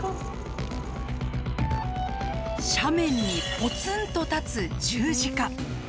斜面にぽつんと立つ十字架。